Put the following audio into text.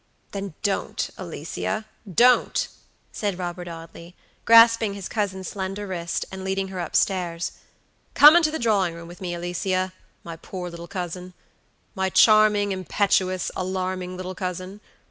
"Then don't, Alicia, don't," said Robert Audley, grasping his cousin's slender little wrist, and leading her up stairs. "Come into the drawing room with me, Alicia, my poor little cousin; my charming, impetuous, alarming little cousin.